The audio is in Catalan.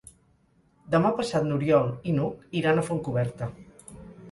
Demà passat n'Oriol i n'Hug iran a Fontcoberta.